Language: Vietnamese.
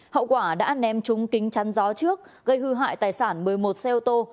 hậu quả đã ném trúng kính chắn gió trước gây hư hại tài sản một mươi một xe ô tô